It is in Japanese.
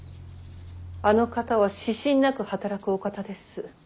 あの方は私心なく働くお方です。